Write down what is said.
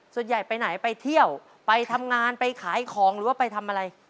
ส่วนใหญ่ไปไหนไปเที่ยวไปทำงานไปขายของหรือว่าไปทำอะไร